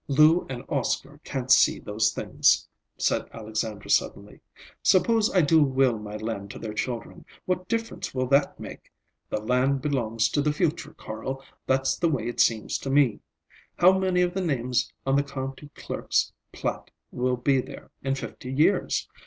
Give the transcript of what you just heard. "Lou and Oscar can't see those things," said Alexandra suddenly. "Suppose I do will my land to their children, what difference will that make? The land belongs to the future, Carl; that's the way it seems to me. How many of the names on the county clerk's plat will be there in fifty years?